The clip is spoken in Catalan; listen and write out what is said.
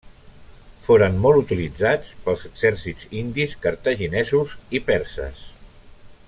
Foren molt utilitzats pels exèrcits indis, cartaginesos i perses.